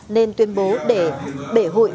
nên tuyên bố để bể hụi